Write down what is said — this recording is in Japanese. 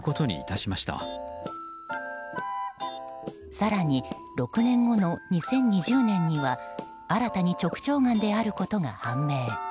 更に６年後の２０２０年には新たに直腸がんであることが判明。